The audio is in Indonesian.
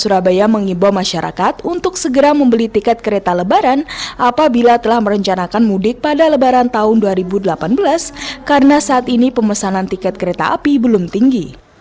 surabaya mengimbau masyarakat untuk segera membeli tiket kereta lebaran apabila telah merencanakan mudik pada lebaran tahun dua ribu delapan belas karena saat ini pemesanan tiket kereta api belum tinggi